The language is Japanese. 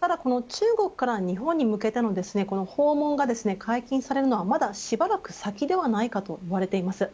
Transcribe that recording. ただ、中国から日本に向けての訪問が解禁されるのはまだしばらく先ではないかといわれています。